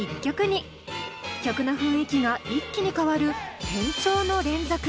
曲の雰囲気が一気に変わる転調の連続。